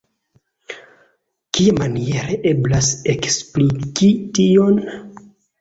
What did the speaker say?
Kiamaniere eblas ekspliki tion?